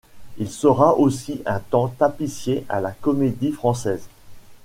Il sera aussi un temps tapissier à la Comédie-Française.